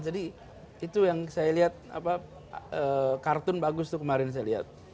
jadi itu yang saya lihat kartun bagus itu kemarin saya lihat